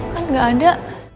kan gak ada